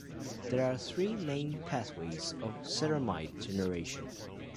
There are three major pathways of ceramide generation.